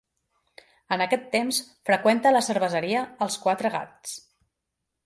En aquest temps freqüenta la cerveseria Els Quatre Gats.